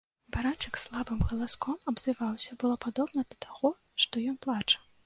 Баранчык слабым галаском абзываўся, было падобна да таго, што ён плача.